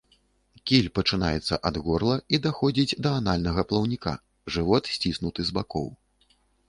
Кіль пачынаецца ад горла і даходзіць да анальнага плаўніка, жывот сціснуты з бакоў.